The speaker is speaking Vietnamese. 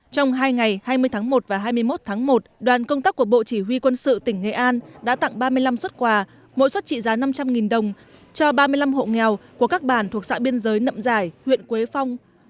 trong hai ngày hai mươi tháng một và hai mươi một tháng một đoàn công tác của bộ chỉ huy quân sự tỉnh nghệ an đã tặng ba mươi năm xuất quà mỗi xuất trị giá năm trăm linh đồng cho ba mươi năm hộ nghèo của các bản thuộc xã biên giới nậm giải huyện quế phong